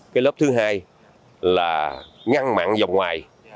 cái lớp thứ hai là ngăn mặn dòng ngoài